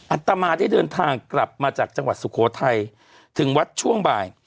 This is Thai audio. ัตมาได้เดินทางกลับมาจากจังหวัดสุโขทัยถึงวัดช่วงบ่าย